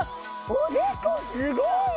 おでこすごい！